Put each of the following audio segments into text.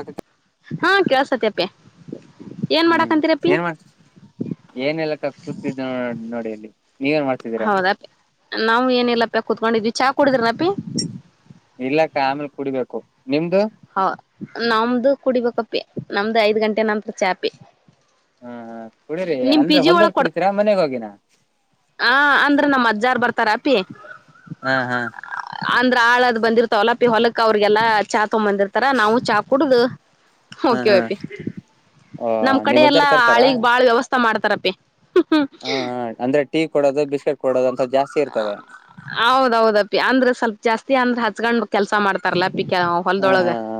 ಅಕ್ಕ ಹಾ ಕೆಳಸ್ ತೈತಿ ಅಪ್ಪಿ. ಹ್ಮ್ ಏನ್ ಮಾಡ ಏನಿಲ್ಲ ಅಕ್ಕ ಕೂತಿದ್ದೆ ನೋಡ್ ನೋಡಿಲ್ಲಿ. ಹೌದಾ ಅಪ್ಪಿ ನಾವು ಏನಲ್ಲಪ್ಪಿ ಕುತ್ಕೊಂಡಿದ್ವಿ ಚಾ ಕುಡಿದ್ರ ಏನ್ ಅಪ್ಪಿ. ಇಲ್ಲಕ್ಕ ಆಮೇಲ ಕುಡಿಬೇಕು. ನಿಮ್ದು ಹೌ ನಮ್ದು ಕುಡಿಬೇಕಪ್ಪಿ. ನಮ್ದು ಐದ್ ಗಂಟೆ ನಂತ್ರ ಚಾ ಅಪ್ಪಿ. ಹ್ಮ್ ಹ್ಮ್ ಕುಡಿರಿ ಅಂದ್ರೆ ಹೊಲ್ದದಲ್ಲಿ ಕುಡಿತೀರಾ ಮನೆಗ ಹೋಗಿನಾ ಹ ಅಂದ್ರೆ ನಮ್ಮ್ ಅಜ್ಜಾರ್ ಬರ್ತಾರ ಅಪಿ ಹಾ ಹಾ ಅಂದ್ರ ಆಳದ ಬಂದಿರ್ತಾವಲ್ಲ ಪಿ ಹೊಲಕ್ ಅವ್ರಿಗೆಲ್ಲಾ ಚಾ ತಗೊಂಬಂದಿರ್ತಾರ ನಾವು ಚಾ ಕುಡ್ದ್ ಹಾ ಓಕೆ ಹಾ ಅಪ್ಪಿ ಓ ನಮ್ ಕಡೆ ನಿಮ್ ಅಜ್ಜಾರ್ ಎಲ್ಲಾ ತರ್ತಾರಾ ಹಳಿಗ್ ಬಾಳ್ ವ್ಯವಸ್ಥೆ ಮಾಡ್ತ ತರ್ತರ್ ಅಪಿ ಹ್ಮ ಕೊಡದು ಬಿಸ್ಕೆಟ್ ಕೊಡೋದ ಹೌದ ಹೌದು ಅಪ್ಪಿ ಅಂದ್ರೆ ಸ್ವಲ್ಪ ಜಾಸ್ತಿ ಅಂದ ಹಚ್ಕೊಂಡ್ ಕೆಲ್ಸ ಮಾಡ್ತಾರಲ್ಲ. ಬಿಕ ಹಾ ಹೊಲದೊಳಗ ಹಾ ಹಾ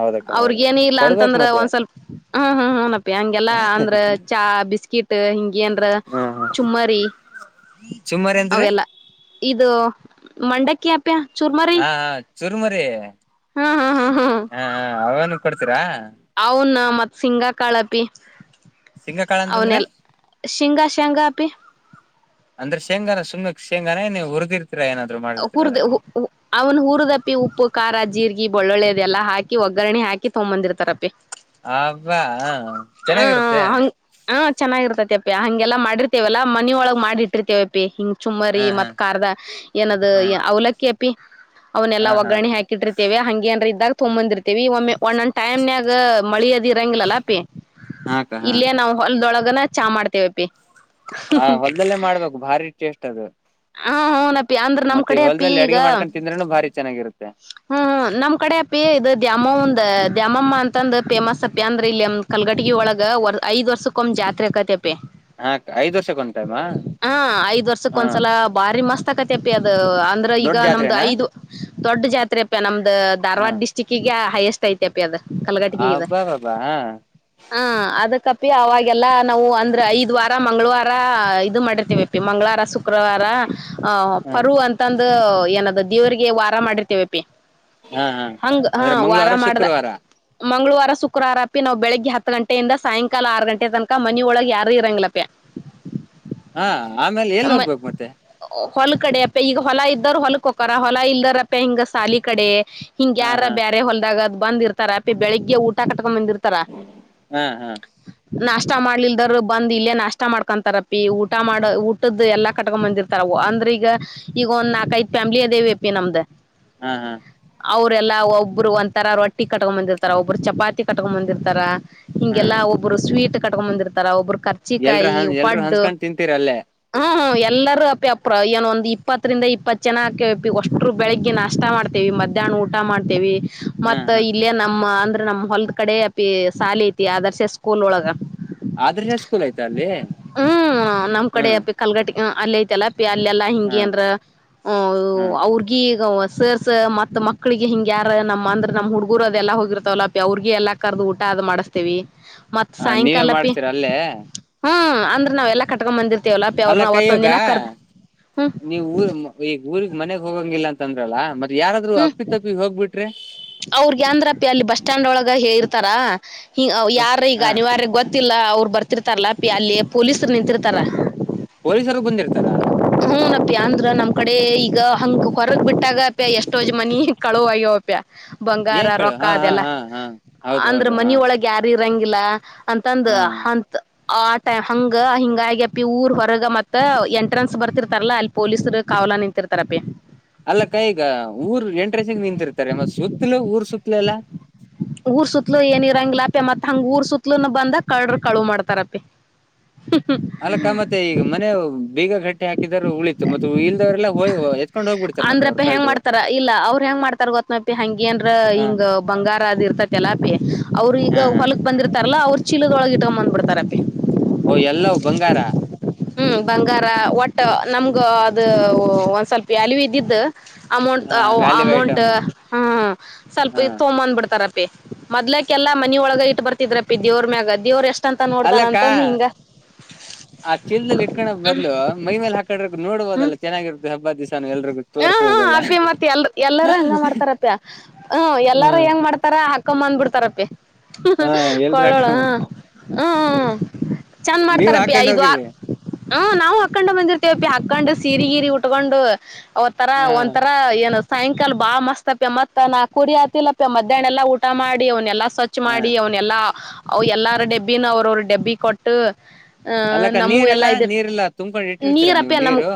ಹೌದಕ್ಕ ಅವ್ರಗ ಹೌದು ಏನ ಇಲ್ಲಾ ಕೊಡ್ಬೇಕ್ ಅಂತಂದ್ರ ಮತ್ತೆ ಒಂದ್ ಸ್ವಲ್ಪ ಹ್ಮ್ ಹ್ಮ್ ಅಪಿ ಹಂಗೆಲ್ಲಾ ಅಂದ್ರ ಚಾ ಬಿಸ್ಕಿಟ್ ಹಿಂಗ ಅಂದ್ರ ಹ ಚುಮ್ಮರಿ. ಚುಮ್ಮರಿ ಅಂದ್ರೆ ಅವೆಲ್ಲ ಇದು! ಮಂಡಕಿ.. ಹಾ ಹಾ ಚುರುಮರಿ. ಹಾ. ಹ್ಮ ಹ್ಮ್ ಹ್ಮ್ ಹ್ಮ್ ಹಾ.. ಹಾವೇನು ಕೊಡ್ತೀರಾ ಅವನ್ ಮತ್ತ ಸಿಂಗ ಕಳ್ಳಾಪಿ ಶಿಂಗಕಾಳ ಅಂತಂದ್ರೆ, ಶೇಂಗಾ ಶೇಂಗಾ ಅಪಿ ಅಂದ್ರೆ ಶೇಂಗಾನ ಶುಂಗ ಶೇಂಗಾ ನೀವು ಉರ್ದಿತಿ ಉರ್ ಉರ್ದು ಅವ್ನು ಉರದಪ್ಪಿ ಉಪ್ಪು ಖಾರ ಜೀರ್ಗೆ ಈ ಬಾಳೋಲಿ ಅದೆಲ್ಲಾ ಹಾಕಿ ಒಗ್ಗರಣೆ ಹಾಕಿ ತಗೊಬಂದರ್ತಾರ ಅಪ್ಪಿ. ಹಬ್ಬಾ ಹಾ ಚೆನ್ನಾಗಿರುತ್ತೆ.. ಹಾ ಚೆನ್ನಾಗಿರ್ತತಿ ಅಪಿ ಹಂಗೆಲ್ಲಾ ಮಾಡಿರ್ತೇವಲ್ಲಾ ಮನ ಒಳಗ್ ಮಾಡಿ ಇಟ್ಟರ್ತೇವ ಅಪ್ಪಿ ಹಿಂಗ. ಚುಮ್ಮರಿ ಹಾ ಹಾ ಮತ್ ಕರ್ದ ಏನದು ಹಾ ಅವಲಕ್ಕಿಅಪ್ ಪ್ಪಿ ಅವನೆೆ ಹಾ ಹಾ ಒಗ್ಗರಣೆ ಹಾಕಿಟ್ಟಿರ್ತೇವೆ ಹಂಗೆ ಅನ್ರ ಇದ್ದಾಗ ತೊಂಗೋ ಬಂದಿರ್ತೇವಿ ಒಮ್ಮೆ ಓನ್ ಒಂದ ಟೈಮ್ನಾಗ ಮಳಿದಿ ಇರಂಗಿಲ್ಲ ಪಿ ಹಾ ಅಕ್ಕ ಹಾ ಇಲ್ಲೇ ನಾವು ಹೊಲ್ದೊಳಗ ಚಾ ಮಾಡ್ತೇವಿ ಅಪ್ಪಿ ಹ ಹೊಲ್ದಲ್ಲೇ ಮಾಡ್ಬೇಕು. ಭಾರಿ ಟೇಸ್ಟ್ ಅದು. ಹಾ ಊನಾಪ್ಪಿ ಮತ್ತೆ ಹೊಲ್ದಲ್ಲಿ ಅಡಗೆ ಮಾಡ್ಕೊಂಡು, ತಿಂದ್ರೂನು ಭಾರಿ ಚಾನ್ನಾಗಿರುತ್ತೆ. ಹ್ಮ್ ಹೂ ನಮ್ ಕಡೆ ಅಪ್ಪಿ ಇದಕೆ ನಮ್ಮವ್ವನ್ ದ್ಯಾಮವ್ವ ಅಂತಂದ ಪೇಮಸ್ ಅಪ್ಪಿ ಅಂದ್ರೆ ಇಲ್ಲಿಕಲ್ಗಟ್ಟಿಗೆ ಒಳಗ ಐದ್ ವರ್ಷಕ್ಕೆ ಒಮ್ ಜಾತ್ರೆ ಆಕೈತಿ ಪ್ಪಿ ಹಾ ಅಕ್ಕ ಐದ್ ವರ್ಷಕ್ಕೆ ಒಂದ್ ಟೈಮಾ ಹಾ ಐದ್ ವರ್ಷಕ್ ಹಾ ಒಂದ್ಸಲ ಬಾರಿ ಮಸ್ತ್ ಆಕತಿ ಅಪ್ಪಿ ಅದ ಅಂದ್ರ ಈಗ ದೊಡ್ಡ ನಮ್ದು ಜಾತ್ರೆನಾ ಐದು ದೊಡ್ಡ ಜಾತ್ರೆ ಪ್ಪಿ ನಮ್ಮ ಅ ಹಾ ಧಾರವಾಡ ಡಿಸ್ಟಿಕ್ಕಿಗೇ ಹೈಯಸ್ಟ್ ಐತೆ ಅಪ್ಪಿ ಅದು ಕಲಗಟಿಕಿ ಇದೆ. ಅಬ್ಬಾಬಾಬಾ ಹಾ ಹಾ ಅದಕ್ಕ ಅವಾಗೆಲ್ಲಾ ನಾವು ಅಂದ್ರೆ ಐದ್ ವಾರ ಮಂಗಳವಾರ ಇದು ಮಾಡಿರ್ತೀವಿ ಅಪ್ಪಿ ಮಂಗಳಾರ ಸುಕ್ ಶುಕ್ರವಾರ ಆ ಹಾ ಪರು ಅಂತಂದ್ ಏನದ ದೇವರಿಗೆ ವಾ ಮಾಡಿರ್ತೇವೆ ಹಾ ಹಾ ಹಂಗ ಹಾ ಅಂದ್ರೆ ವಾರ ಮಂಗಳವಾರ ಮಾಡ್ದ ಶುಕ್ರವಾರ ಮಂಗಳವಾರ ಶುಕ್ರವಾರಪ್ಪಿ ನಾವು ಬೆಳಿಗ್ಗೆ ಹತ್ತು ಗಂಟೆಯಿಂದ ಸಾಯಂಕಾಲ ಆರು ಗಂಟೆ ತನಕ ಮನಿ ಒಳಗೆ ಯಾರು ಇರಂಗಿಲ್ಲಪಿ ಹಾ ಆಮೇಲೆ ಎಲ್ಲಿ ಮ ಹೋಗ್ಬೇಕು ಮತ್ತೆ ಹೊಲ್ ಕಡೆ ಅಪ್ಪಿ ಈಗ ಹೊಲ ಇದ್ದೋರು ಹೊಲ್ಕ್ ಹೋಕರ ಹೊಲ ಇಲ್ದಾರಪ್ಪ ಹಿಂಗ ಸಾಲಿ ಕಡೆ ಹಿಂಗ ಹಾ ಯಾರ್ರ ಹಾ ಬೇರೆ ಹೊಲ್ದಾಗ ಅದ್ ಬಂದಿರ್ತಾರ ಬೆಳಿಗ್ಗೆ ಊಟ ಕಟ್ಕೊಂಡಂಬಂದಿರು ತರ ಹಾ ಹಾ ನಾಷ್ಟ ಮಾಡ್ಲಿಲ್ದೊರ್ ಬಂದ್ ಇಲ್ಲೇ ನಾಷ್ಟ ಮಾಡ್ಕೊಂತಾರಪಿ ಊಟ ಮಾಡಊ ಊಟದ್ದು ಎಲ್ಲ ಕಟ್ಕೊಂಡ್ ಬಂದಿರ್ತಾರ ಅವು ಅಂದ್ರೆ ಈಗ ಈಗೊಂದ್ ನಾಲ್ಕೈದು ಫ್ಯಾಮ್ಲಿ ಅದೇವಪಿ ನಮ್ದು ಹಾ ಹಾ ಅವರೆೆಲ್ಲಾ ಒಬ್ರು ಒಂತರ ರೊಟ್ಟಿ ಕಟ್ಕೊಂಡ್ ಬಂದಿರ್ತಾರ ಒಬ್ಬರು ಚಪಾತಿ ಕಟ್ಕೊಂಡ್ ಬಂದಿರ್ತಾರ ಹಾ ಹಿಂಗೆಲ್ಲಾ ಒಬ್ರು ಸ್ವೀಟ್ ಕಟ್ಕೊಂಡ್ ಬಂದರ್ತಾರ ಒಬ್ರು ಎಲ್ರ ಕರ್ಚಿಕಾಯಿ ಎಲ್ರೂ ಹಂ ಹಂಚ್ಕೊಂಡ್ ತಿಂತೀರಲ್ಲೇ ಹಂ ಎಲ್ಲರೂ ಅಪಿ ಅಪ್ರ ಏನು ಒಂದು ಇಪ್ಪತ್ತರಿಂದ ಇಪ್ಪತ್ತು ಜನ ಹಾಕ ಒಷ್ಟರು ಬೆಳಿಗ್ಗೆ ನಾಷ್ಟ ಮಾಡ್ತೇವಿ ಮಧ್ಯಾಹ್ನ ಊಟ ಮಾಡ್ತೇವಿ ಹಾ ಮತ್ತ ಹಾ ಇಲ್ಯ ನಮ್ಮ ಅಂದ್ರ್ ನಮ್ ಹೊಲ್ ಕಡೆ ಅಪಿ ಶಾಲಿ ಐತಿ ಆದರ್ಶ ಸ್ಕೂಲ್ ಒಳಗ ಆದರ್ಶ ಸ್ಕೂಲ್ ಐಯ್ತ ಅಲ್ಲಿ ಹ್ಮ್ ಅಲ್ಲ್ ಐತಲ್ಲ ಅಲ್ಲೆಲ್ಲಾ ಹಾ ಹಿಂಗೆ ಅಂದ್ರ ಊ ಹಾ ಅವ್ರಗಿ ಈಗ ಸರ್ಸ್ ಮತ್ ಮಕ್ಳಿಗೆ ಹಿಂಗ್ ಯಾರ ನಮ್ಮ ಅಂದ್ರೆ ನಮ್ ಹುಡ್ಗುರು ಅದೆಲ್ಲಾ ಹೋಗಿರ್ತವಲ್ಲ ಅವ್ರಗಿ ಎಲ್ಲಾ ಕರ್ದು ಊಟ ಅದ್ ಮಾಡಸ್ತೇವಿ ಮತ್ ನೀವೇ ಸಾಯಂಕಾಲಪಿ ಮಾಡ್ಸ್ತೀರ ಅಲ್ಲೇ ಹ್ಮ ಅಂದ್ರ ನಾವೆಲ್ಲ ಕಟ್ಕೊಂಡ್ ಬಂದಿರ್ತಿವಿ ಅಲ್ಲಕ ಈಗ ಹ್ಮ್ ನೀವ್ ಊರ್ ಈಗ ಊರ್ಗ್ ಮನೆಗ್ ಹೋಗಂಗಿಲ್ಲ ತಂದ್ರಲ್ಲ ಮತ್ತೆ ಯಾರಾದರು ಅಪ್ಪಿ ತಪ್ಪಿ ಹೋಗ್ಬಿಟ್ಟ್ [inaudible] ಅವ್ರಗ ಅಂದ್ರಪ್ಪಿ ಅಲ್ಲಿ ಬಸ್ ಸ್ಟ್ಯಾಂಡ್ ಒಳಗ ಹೇ ಇರ್ತಾರಾ ಹ ಬಸ್ಟ್ ಯಾರ ಈಗ ಹ ಅನಿವಾರ್ಯ ಗೊತ್ತ ಲ್ಲ ಅವ್ರು ಬರ್ತಿರ್ತಾರಲ್ಲ ಅಪ್ಪಿ ಅಲ್ಲಿ ಪೊಲೀಸರು ನಿಂತಿರ್ತಾರ ಪೊಲೀಸರು ಬಂದಿರ್ತಾರ ಹ್ಮ್ ನ ಅಪ್ಪಿ ಅಂದ್ರ ನಮ್ಮ್ ಕಡೆ ಈ ಈಗ ಹಂಗ ಹೊರಗ್ ಬಿಟ್ಟಾಗ ಅಪ್ಯ ಎಷ್ಟೋಜ್ ಮನಿ ಕಳುವ ಆಗ್ಯವಪ್ಯ ಬಂಗಾರ ಏನ್ ಕಳು ರೊಕ್ಕ ಹಾ ಹಾ ಅದೆಲ್ಲ ಹಾ ಹಾ ಹೌದ್ ಅಂದ್ರ ಹೌದು ಹಾ ಮನಿ ಒಳಗ ಯಾರಿ ರಂಗಿಲ್ಲಾ ಅಂತಂದ ಹಾ ಹಂತ್ ಆಟ್ಯಾ ಹಂಗ ಹಿಂಗಾಗ ಅಪ್ಪಿ ಊರ್ ಹೊರಗ ಮತ್ತ ಎಂ ಎಂಟ್ರನ್ಸ್ ಬರ್ತಿರ್ತಾರಲ್ಲ ಅಲ್ಲಿ ಪೊಲೀಸರ ಕಾವಲಾ ನಿಂತಿರ್ತಾರಪ್ಪಿ ಅಲ್ಲ ಅಕ್ಕಾ ಇಗಾ ಊರ್ ಎಂಟ್ರೆನ್ಸಿಗ್ ನಿಂತಿರ್ತಾರೆ ಮತ್ ಸುತ್ತಲುೂ ಊರ್ ಸುತ್ತಲು ಎಲ್ಲ ಊರ್ ಸುತ್ತಲೂ ಎನ್ ಇರಂಗ್ಲಪ್ಪ್ಯ ಮತ್ ಹಂಗ್ ಊರ್ ಸುತ್ತಲೂ ಬಂದ ಕಳ್ರ ಕಳುವು ಮಾಡ್ತಾರಪ್ಪಿ ಅಲ್ಲಕ್ಕ ಮತ್ತೆ ಈಗ್ ಮನೆವ್ ಬೀಗಾ ಗಟ್ ಎತ್ಕೊಂಡ್ ಹೋಗ್ಬಿಡ್ತಾರ ಮತ್ತೆ ಅವ್ರು ಅಂದ್ರಪ್ಯ ಹೆಂಗ ಕಳ್ರು ಮಾಡ್ತಾರ ಇಲ್ಲ ಅವ್ರ ಹೆಂಗ ಮಾಡ್ತಾರ ಗೊತ್ನಪ್ಪ್ಯ ಹಂಗೆನ್ರ ಹ ಹಿಂಗ ಬಂಗಾರ ಅದ ಇರತೈತಲಪ್ಪಿ ಅವ್ರ ಈಗ ಹಾ ಹಾ ಹೊಲಕ್ ಬಂದಿರ್ತ ತರ್ಲಾ ಅವ್ರ ಚೀಲದೊಳಗ ಇಟಗೊಂಡ ಬಂದ್ ಬಿಡ್ತಾರ ಅಪ್ಪಿ. ಓ ಎಲ್ಲವು ಬಂಗಾರ ಹ್ಮ್ ಬಂಗಾರ ಒಟ್ ಬಟ್ ನಮ್ಗ ಅದ ಒಂದ್ ಸ್ವಲ್ಪ ವ್ಯಾಲಿವ್ ಇದಿದ್ದ ಅಮೌಂಟ್ ಹ ವ್ಯಾಲ್ಯೂ ಅಮೌಂಟ್ ಐಟಮ್ ಹ್ಮ್ ಸ್ವಲ್ಪ ಹ ಇದ್ ತೊಮಂದ ಬಿಡ್ತಾರ ಅಪ್ಪಿ ಅಪ್ಪಿ ಮೊದ್ಲಕೆಲ್ಲಾ ಮನಿ ಒಳಗ ಇಟ್ಟ ಬರ್ತಿದ್ರಪ್ಪಿ ದೇವ್ರ ಮ್ಯಾಗ ದೇವ್ರ ಎಸ್ಟ್ ಅಲ್ಲಕ್ಕಾ ಆ ಚೀಲ್ದಲ್ಲಿ ಇಟ್ಕಣ ಬದ್ಲು ಮೈ ಮೇಲೆ ಹಾಕಂಡ್ರೆ ನೋಡಬೋದಲ್ಲ ಚೆನ್ನಾಗಿರುತ್ತೆ ಹಬ್ [inaudible] ಹ್ಮ ಹಾ ಅಪ್ಪಿ ಮತ್ತ ಎಲ್ ಎಲ್ಲಾರೂ ಹಂಗ ಮಾಡ್ತಾರ ಅಪ್ಪ್ಯ ಹ್ಮ ಹ ಎಲ್ಲಾರು ಹೆಂಗ ಮಾಡ್ತಾರ. ಕೋಮಂದ ಬಿಡ್ತಾರಪ್ಪಿ. ಹ ಎಲ್ರು ಹಾಕ ಕೊಳ್ಳೋಳ ಹ್ಮ ಹ್ಮ್ ಹ್ಮ್ ಚಂದ ನೀವ್ ಮಾಡ್ತಾರಪ್ಪಿ ಹಾಕೊಂಡ್ ಐದ್ ಹೋಗಿರಿ ವಾರ್. ಹ್ಮ್ ನಾವು ಹಾಕ್ಕೊಂಡ ಬಂದಿರ್ತೇವಪ್ಪಿ ಹಾಕ್ಕೊಂಡ್ ಸೀರಿ ಗೀರಿ ಉಟ್ಕೊಂಡು [inaudible] ಅವತರಾ ಹ ಒಂತರಾ ಏನದ ಸಾಯಂಕಾಲ ಬಾಳ ಮಸ್ತ್ ಅಪ್ಪ್ಯ ಮತ್ತ ನಾಕುವರಿ ಆತಿಲ್ಲಪ್ಪ್ಯ ಮಧ್ಯಾಹ್ ಎಲ್ಲಾ ಊಟ ಮಾಡಿ ಅವನೆಲ್ಲಾ ಸ್ವಚ್ ಹ ಮಾಡಿ ಅವನೆಲ್ಲಾ ಅವ ಎಲ್ಲಾರ ಡೆಬ್ಬಿನ ಅವ್ರವರ ಡಬ್ಬಿ ಕೊಟ್ಟು ಅಹ ಅಲ್ಲಕ್ಕ ನಮ್ಮೂ ಎಲ್ಲಾ ನೀರೆಲ್ಲಾ ಇದ ನೀರಲ್ಲಾ ತುಂಬ್ಕೊಂಡ್ ಇಟ್ಟಿರ್ತೀರಾ ನೀವು ನೀರು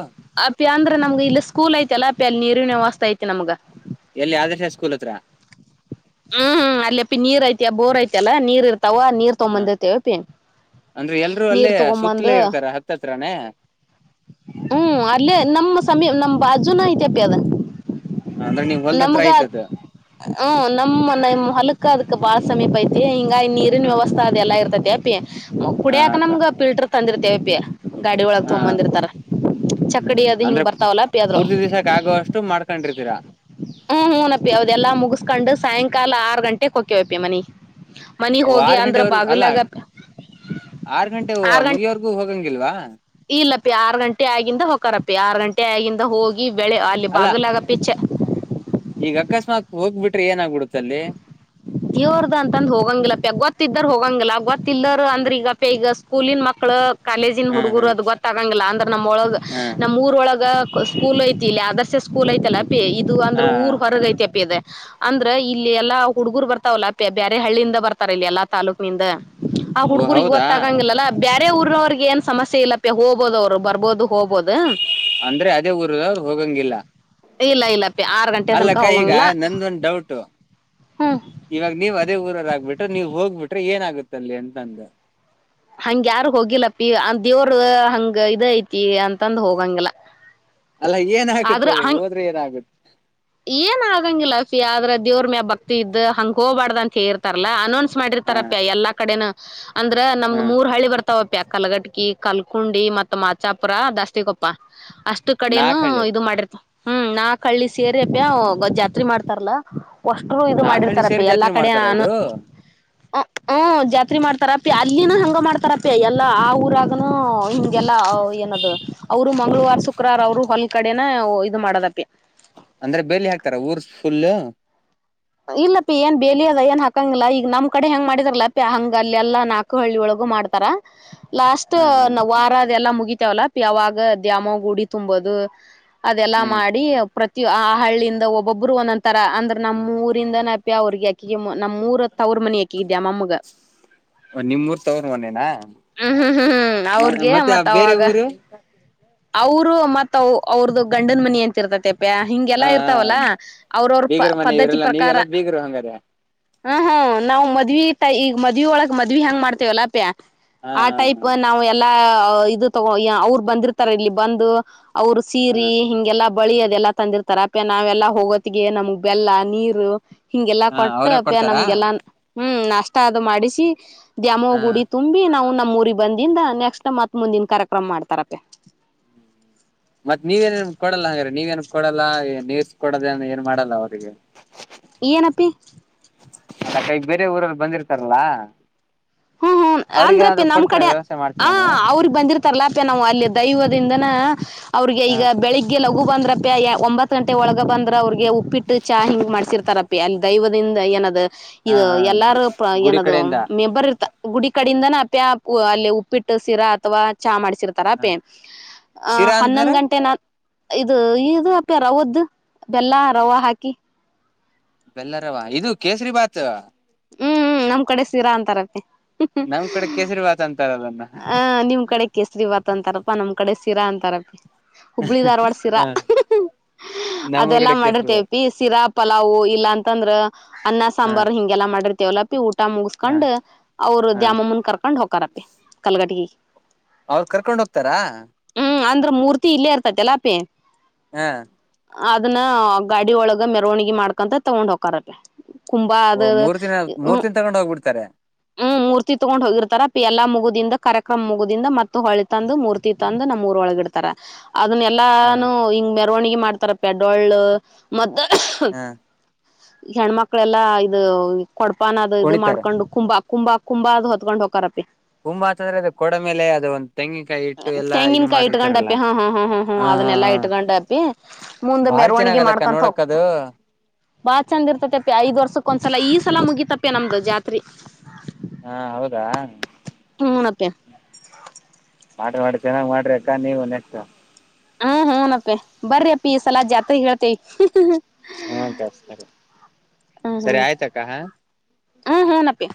ಪ್ಯಾಂದ್ರಾ ನಮಗ್ ಇಲ್ಲಸ್ ಸ್ಕೂಲ್ ಆಯಿತು ಅಲ್ಲಾ ಅಪ್ಪಿ ಅಲ್ಲಿ ನೀರಿನ ವ್ಯವಸ್ಥ ಐತಿ ನಮಗ ಎಲ್ಲಿ ಆದರ್ಶ ಸ್ಕೂಲ್ ಹತ್ರ ಹ್ಮ್ ಹ್ಮ್ ಅಲ್ಲಿಪಿ ನೀರ್ ಐತಿ ಬೋರ್ ಐತಲ್ಲಾ ನೀರ್ ಇರ್ತ ತವಾ ನೀರ್ ಹ ತೊಂಬರ್ತಿವಪ್ಪಿ ಅಂದ್ರೆ ಎಲ್ರು ಅಲ್ಲೇ ನೀರ್ ತಗೊಂಬಂದ ಸುತ್ತಲೇ ಇರ್ತಾರ ಹತ್ತತ್ರನೇ ಹ್ಮ ಅಲ್ಲೆ ನಮ್ ಸಮೀಪ ನಮ್ ಬಾಜುನ ಐತ್ ಅಪ್ಪಿ ಅದ ಅಂದ್ರೆ ನೀವ್ ಹೊಲ್ದ ಹತ್ರ ನಮ್ಗ ಐತದ ಹ್ಮ ಹೂ ಹೊಲಕ್ ಅದಕ್ ಬಾಳ್ ಸಮೀಪ ಐತಿ ಹಿಂಗಾಗಿ ನೀರಿನ ಹ ವ್ಯವಸ್ಥ ಅದೆಲ್ಲಾ ಇರ್ತೀತೆ ಕುಡಿಯಕ ನಮ್ಗ ಫಿಲ್ಟರ್ ತಂದಿರ್ತೇವೆ [unintelligible] ಹಾ ಚಕ್ಕಡಿ ಹ್ಮ್ ಅದು ಅಂದ್ರೆ ಹಿಂಗ್ ಬರ್ತಾವಲ್ಲ ಅಪಿ ಅದ್ರೊಳ್ ಪೂರ್ತಿ ದಿವ್ಸಕ್ಕೆ ಆಗುವಷ್ಟು ಮಾಡ್ಕೊಂಡಿರ್ತೀರಾ ಹ್ಮ್ ಹ್ಪ್ಪಿ ಅವ್ದದೆಲ್ಲಾ ಮುಗಿಸಸ್ಕೊಂಡ ಸಾಯಂಕಾಲ ಆರು ಗಂಟೆಗೆ ಹೋಗ್ತೇವ್ ಅಪ್ಪಿ ಮನಿಗ ಅ ಆರ್ ಗಂಟೆವರೆಗೂ ಅಲ್ಲ ಆರ್ ಗಂಟೆ ಆರ್ ಗಂಟ್ ಮುಗಿಯವರ್ಗೂ ಹೋಗಂಗಿಲ್ವಾ ಇಲ್ಲಪ್ಪಿ ಆರು ಗಂಟೆ ಆಗಿಂದ ಹೋಕರ್ ಅಪ್ಪಿ ಆರು ಗಂಟೆ ಆಗಿಂದ ಹೋಗಿ ಬೆಳೆ ಅಲ್ಲಿ ಅಲ್ಲ ಬಾಗಲಾಗ ಪಿಚ್ಚ ಈಗ ಅಕಸ್ಮಾತ್ ಹೋಗ್ಬಿಟ್ರೆ ಏನಾಗಗ್ಬಿಡುತ್ತ ಅಲ್ಲಿ ತ್ತಿದ್ದರ್ ಹೋಗಂಗಿಲ್ಲ ಗೊತ್ತು ಇದವರ ಅಂದ್ರ ಈಗಪ್ಪ ಈಗ ಸ್ಕೂಲಿನ ಮಕ್ಕಳ ಕಾಲೇಜಿನ ಹಾ ಹಾ ಹುಡ್ಗರು ಅದು ಗೊತ್ತಾಗಂಗಿಲ್ಲ ಅಂದ್ರ ನಮ್ಮ್ ಒಳಗ ಹಾ ನಮ್ ಊರೊಳಗ ಸ್ಕೂಲ್ ಐತಿ ಇಲ್ಲಿ ಅದ್ರ ಸ ಸ್ಕೂಲ ಐತಿ ಅಲ್ಲ ಅಪ್ಪಿ ಇದು ಅಂದ್ರೆ ಹಾ ಊರ್ ಹೊರಗ ಐತಿ ಅಪ್ಪಿ ಅದೆ ಅಂದ್ರ ಇಲ್ಲಿ ಎಲ್ಲಾ ಹುಡ್ಗರ್ ಬರ್ತಾವಲ್ಲ ಬೇರೆ ಹಳ್ಳಿಂದ ಬರ್ತಾರ ಇಲ್ಲಿ ಎಲ್ಲ ತಾಲೂಕಿನಿಂದ ಆ ಓ ಹುಡ್ಗುರಿಗೆ ಹೌದಾ ಒತ್ತ ಆಗಂಗಿಲ್ಲಲ್ಲಾ ಬ ಅರೇ ಊರನವ್ರರಿಗೆ ಏನ್ ಸಮಸ್ಯೆ ಇಲ್ಲ ಪ ಹೋಗಬಹದು ಅವ್ರು ಬರ್ಬೋದು ಹೋಗ್ಬೋದು ಅಂದ್ರೆ ಅದೇ ಊರವರು ಹೋಗಂಗಿಲ್ಲ ಇಲ್ಲ ಇಲ್ಲ ಆರು ಗಂಟೆ ತನಕ ಅಲ್ಲಕ್ಕ ಈಗ ಹೋಗಂಗಿಲ್ ನಂದೊಂದ್ ಡೌಟ್ ಇವಾಗ ನೀವು ಅದೇ ಊರಲ್ಲಾಗ ಬಿಟ್ರೆ ನೀವ್ ಹೋಗ್ಬಿಟ್ರೆ ಏನ ಆಗುತ್ತಲ್ಲಿ ಎಂತಂದ ಹಂಗ ಯಾರ ಹೋಗಿಲ್ಲ ಪಿ ಅ ದೇವ್ರ ಹಂಗ ಇದ ಐತಿ ಅಂತಂದ ಹೋಗಂಗಿಲ್ಲ ಅಲ್ಲ ಆದ್ರ ಏನಾಗುತ್ತೆ ಹಂಗ ಹೋದ್ರೆ ಏನಾಗುತ್ತೆ ಏನ್ ಆಗಂಗಿಲ್ಲಫಿ ಆದ್ರೆ ದೇವ್ರ ಮ್ಯಾ ಭಕ್ತಿ ಇದ್ದ್ ಹಂಗ ಹೋಗ್ಬಾರ್ದ ಅಂತ ಹೇರ್ತಾರಲ್ಲಾ ಅನ್ನೊಂದ [unintelligible] ಹಾ ಮಾಡಿರ್ತಾರಪ್ಪ ಎಲ್ಲಾ ಕಡೆನ ಅಂದ್ರೆ ಹಾ ನಮ್ದ್ ಮೂರ್ ಹಳಿ ಬರ್ತ ಪ್ಯ ಕಲಗಟಕಿ ಕಲ್ಕುಂಡಿ ಮತ್ ಮಾಚಾಪುರ ದಾಸ್ತಿಿಕೊಪ್ಪ ಅಷ್ಟು ಕಡೆನು ನಾಲ್ಕಹಳ್ಳಿ ಇದು ಮಾಡಿರ್ತ ಹ್ಮ್ ನಾಕ ಹೆಳ್ಳಿಸ ಸೇರಿಪ್ಯ ಅವು ಜಾತ್ರೆ ಮಾಡ್ತಾರಲ್ಲ ಅಷ್ಟರು ಇದು ನಾಲ್ಕಹಳ್ಳಿ ಮಾಡಿರ್ತಾರಪ್ಪ ಸೇರಿ ಎಲ್ಲಾ ಜಾತ್ರೆ ಕಡೆ ಮಾಡ್ತಾರ ಅನು ಇದು ಹ್ಮ [unintelligible] ಹ್ಮ ಜಾತ್ರೆ ಪ್ಯ ಮಾಡ್ತಾರ ಅಲ್ಲಿನ ಹಂಗ ಮಾಡ್ತ ತರಪೆ ಎಲ್ಲಾ ಆ ಊರಾಗ ನೂ ಇಂ ಇಲ್ಲ ಅವು ಏನದು ಅವರು ರು ಮಂಗಳವಾರ ಶುಕ್ರವಾರ ಅವ್ರು ಹೊಲ್ ಕಡೆನ ಇದು ಮಾಡದಪ್ಪಿ ಅಂದ್ರೆ ಬೆಲಿ ಹಾಕ್ತಾರ ಊರ್ ಫುಲ್ ಇಲ್ಲಪ್ಪಿ ಏನ್ ಬೇಲಿ ಅದ ಏನ್ ಹಾಕಂಗಿಲ್ಲ ಈಗ ನಮ್ ಕಡೆ ಹೆಂಗ ಮಾಡಿದಾರಲಪಿ ಹಂಗ ಅಲ್ಲಿ ಎಲ್ಲಾ ನಾಲ್ಕು ಹಳ್ಳಿೊಳಗೂ ಮಾಡ್ತಾರ ಲಾಸ್ಟ್ ಹಾ ಹಾ ನಾವ್ ವಾರ ಅದೆಲ್ಲ ಮುಗ ಇವಲ್ಲ ಯಾವಾಗ ದ್ಯಾಮ ಗೂಡಿ ತುಂಬೋದು ಅದೆಲ್ಲಾ ಹ್ಮ್ ಮಾಡಿ ಪ್ರತಿ ಆ ಹಳ್ಳಿಯಿಂದ ಒಬ್ಬೊಬ್ರು ಒಂದೊಂರ ಅಂದ್ರೆ ನಮ್ಮ ಊರು ಇಂದ ನಾಪಿ ಅವರಿಗೆ ಅಕಿಗೆ ನಮ್ಮ ಮೂರ ತವರು ಮನೆ ಯಕಗಿದ್ಯಾ ಮಮ್ಮಗ ನಿಮ್ಮೂರ್ ತವ್ರ ಮನೆನಾ ಹ್ಮ್ ಹ್ಮ್ ಹ್ಮ್ ಹ್ಮ್ ಅವ್ರಗೆ ಮತ್ತೆ ಆ ಮತ್ತ ಬೇರೆ ಅವಾಗ ಊರು ಅವರು ಮತ್ ಅವ್ರ್ದು ಗಂಡನ್ ಮನಿ ಅಂತಿರ್ತತೆ ಹಾ ಹಿಂಗೆಲ್ಲಾ ಹಾ ಇರ್ತಾವಲ್ಲ ಅವ್ರವ್ರ ಪ ಬೀಗರ ಮನೆ ಪದ್ಧತಿ ಇವರೆಲ್ಲ ಪ್ರಕಾರ ನೀವೆಲ್ಲ ಬೀಗರು ಹಂಗಾರೆ ಹಾ್ ಹ್ಮ್ ನಾವು ಮದ್ವಿ ಈಗ ಮದ್ವಿ ಒಳಗ್ ಮದ್ವಿ ಹೆಂಗ ಮಾಡ್ತೇವಲ್ಲ ಅಪ್ಯ ಹಾ ಆ ಹಾ ಹಾ ಟೈಪ್ ನಾವು ಎಲ್ಲಾ ಇದು ತಗೋ ಅವ್ರು ಬಂದಿರ್ತ ಇಲ್ಲಿ ಬಂದು ಅವರು ಹಾ ಸೀರೆ ಹಿಂಗೆಲ್ಲ ಬಳಿ ಅದೆಲ್ಲ ತಂದಿರ್ತಾರ ಅಪ ನಾವೆಲ್ಲ ಹೋಗೋತ್ಗೆ ನಮ್ಗ್ ಬೆಲ್ಲ ನೀರು ಹಿಂಗೆಲ್ಲಾ ಕೊಟ್ಟು ಅವ್ರೇ ಅಪ್ಯ ಕೊಡ್ತಾರಾ ನಮ್ಗೆಲ್ಲಾ ಹ್ಮ್ ನಾ ಫಸ್ಟ್ ಅದು ಮಾಡಿಸಿ ದ್ಯಾಮೋ ಹಾ ಗುಡಿ ತುಂಬಿ ನಾವು ನ ನಮ್ಮೂರಿಗೆ ಬಂದಿಂದ ನೆಕ್ಸ್ಟ್ ಮತ್ ಮುಂದಿನ ಕಾರ್ಯಕ್ರಮ್ತಾರಪ್ಪ ಮತ್ತತ್ ನೀವೇನೇನ್ ಕೊಡಲ್ಲ ಹಂಗ್ರೆ ನೀವೇನ ಕೊಡಲ್ಲ ನೀರ್ಸ್ಕ ಕೊಡದ ಏನ್ ಮಾಡಲ್ಲ ಅವರಿಗೆ ಏನಪ್ಪಿ ಅಕ ಈ ಬೇರೆ ಊರಲ್ಲಿ ಬಂದಿರ್ತಾರಲ್ಲ ಹ್ಮ್ ಹ್ಮ್ ಅಂದ್ರ ನಮ್ಮ್ ಕಡೆ ಆ ಮಾಡ್ತೀರಾ ನೀವು ಅವ್ರಗ್ ಬಂದಿರ್ತ ರ್ಲಾಪೆ ನಾವು ಅಲ್ಲಿ ದೈವದಿಂದನ ಅವ್ರಿಗೆ ಹ ಈಗ ಬೆಳಿಗ್ಗೆಲ್ಲ ಹಗು ಬಂದ್ರಪ್ಪಿ ಒಂಬತ್ ಗಂಟೆ ಒಳಗ ಬಂದ್ರ ಅವ್ರಿಗೆ ಉಪ್ಪಿಟ್ಟು ಚಾ ಹಿಂಗ್ ಮಾಡ್ಸಿರ್ತಾರಪ್ಪಿ ಅಲ್ಲಿ ದೈವದಿಂದ ಏನದ ಹ ಇದು ಹ ಎಲ್ಲಾರು ಗುಡಿ ಏನದು ಕಡೆಯಿಂದ ಮೆಂಬರ್ ಇರ್ ಗುಡಿ ಕಡಿಂದಾನ ಪ್ಯಾ ಅಲ್ಲಿ ಉಪ್ಪಿಟ್ಟು ಶಿರಾ ಅಥವಾ ಚಾ ಮಾಡ್ತಿ ಿರ್ತಾರ ಹ ಪೇ ಆ ಶಿರಾ ಹನ್ನೊಂದು್ ಅಂದ್ರೆ ಗಂಟೆ ನ ಇದು ಇದು ಅಪೆ ರವದ್ದ ಬೆಲ್ಲ ರವ ಹಾಕಿ ಬೆಲ್ಲರವ ಇದು ಕೇಸರಿ ಭಾತ್ ಹ್ಮ್ ಹ್ಮ್ ನಮ್ ಕಡೆ ಸಿೀರಾ ಅಂತರತಿ ನಮ್ ಕಡೆ ಕೇಸರಿ ಭಾತ ಅಂತಾರದ ಹ ನಿಮ್ ಕಡೆ ಕೇಸರಿ ವತಂತ ಅಂತಾರಪ್ಪಾ ನಮ್ ಕಡೆ ಶ ಸಿರಾ ಅಂತಾರಪಿ ಹುಬ್ಳಿಧಾರ್ವಾಡ ಶಿರಾ ಹ ನಮ್ಮೂರ್ ಅದೆಲ್ಲಾ ಕಡೆ ಕೇಸರಿ ಬಾತ್ ಮಾಡ್ರತೇಪಿ ಶೀರಾ ಪಲಾವವು್ ಇಲ್ಲ ಅಂತಂದ್ರ ಅನ್ನ ಹ ಸಾಂಬಾರ್ು ಹಿಂಗೆಲ್ಲಾ ಮಾಡಿರ್ತಿ ಲ್ಲ ಿ ಊಟ ಹ ಮುಗಸ್ಕೊಂಡ್ ಅವ್ರರು ಹ ದಧ್ಯ್ಯಾಮ ಮುನ್ ಕರ್ಕೊಂಡ್ ಹಕಾರಪ್ಪಿ ಕಟ್ಟಗ ಅವರು ಕರ್ಕೊಂಡ್ ಹೋಗ್ತಾರಾ ಹ್ಮ್ ಅಂದ್ರ ಮೂರ್ತಿ ಇಲ್ಲೇ ಇರ್ತತಿ ಎಲ್ಲ ಅಪೆ ಹಾ ಅದನ್ನ ಗಾಡಿ ಒಳಗ ಮೆರವಣಿಗೆಿ ಮಾಡ್ಕೊಂತ ತಗೊಂಡ್ ಹಕಾರಲ್ಲ ಕುಂಭ ಅದ ಓ ಮೂರ್ ದಿನ ಮೂರ್ ಹ್ಮ ದಿನ ತಗೊಂಡ್ ಹೋಗ್ಬಿಡ್ತಾರೆ ಹ್ಮ್ ಮೂರ್ತಿ ತಗೊಂಡ್ ಹೋಗಿರ್ತಾರ ಪ ಎಲ್ಲಾ ಮುಗ ಕಾರ್ಯಕ್ರಮ ಮುಗುದಿಂದ ಮತ್ತು ಹೊಳಿ ತಂದು ಮೂರ್ತಿ ತಂದು ನಮ್ಮ್ೂಊರೊಳಗ ಇಡ್ತಾರೆ ಅದನ್ನ ಎಲ್ಲಾನು ಹ ಮ ಮರವಣಿಗೆಿ ಮಾಡ್ತಾರ ಪ ಡೊಳ್ಳು ಮ ಹಾ ಹೆಣ್ಮಕ್ಳೆಲ್ಲಾ ಇದು ಕೊಡ್ಪಾನದ ಇದು ಕುಣಿತಾರೆ ಮಾಡ್ಕೊಂಡು ಕುಂಂಬಾ ಕುುಂಬಾ ಕುಂಬ ಅ್ ಹೊತ್ಕೊಂಡ್ ಹೋಗಕಾರಪ್ಪಿ ಕುಂಭ ಅಂತಂದ್ರೆ ಅದು ಕೋಡ ಮೇಲೆ ಅದು ಒಂದ್ ತೆಂಗಿನಕಾಯಿ ಇಟ್ಟು ಎಲ್ಲಾ ಇದು ತೆಂಗಿನಕಾಯಿ ಮಾಡಿರ್ತಾರಲ್ಲ ಇಟ್ಕೊಂಡ್ಪ್ಪಿ ಹಾ ಹಾ ಹಾ ಹಾ ಹಾ ಅದನ್ನೆಲ್ಲಾ ಇಟ್ಕೊಂಡಪಿ ಮುಂದ ಬಾರಿ ಮೆರವಣಿಗೆಿ ಚೆನ್ನಾಗಲ್ಲಕ್ಕ ಮಾಡ್ಕೊಂತ ನೋಡಕ್ ಹೋಗ ಅದು ಬಾಳ ಚಂದ ಇರ್ತತಿಪ್ಪಿ ಐದ್ ವರ್ಷಕ್ ಒಂದ್ಸಲ ಈ ಸಲ ಮುಗಿತಪ್ಪೆ ನಮ್ದು ಜಾತ್ರೆ ಹಾ ಹೌದಾ ಹುನ ಆಪಾ ಮಾಡಟ್ರ ಮಾಡಿ ಚೆನ್ನಾಗ್ ಮಾಡ್ರ ಅಕ್ಕ ನೀವು ನೆಕ್ಟ್ ಹ್ಮ ಹನಪ್ಪೆ ಬರ್ರಿ ಅಪ್ಪ ಈ ಸಲಜ್ ಜಾತ್ ಹೇಳ್ತೇವಿ ಹ್ಮ ಕತರಿ ಹ್ಮ್ ಸರಿ ಹ್ಮ್ ಆಯ್ತಕ್ಕ ಹ್ಮ್ ಹ್ಮ್ ನಪ್ಪಿ